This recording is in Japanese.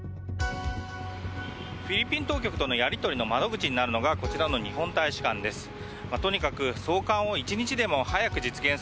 フィリピン当局とのやり取りの窓口になるのがこちらの日本大使館です。